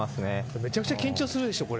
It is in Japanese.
めちゃくちゃ緊張するでしょ。